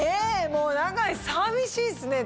もう長い寂しいっすね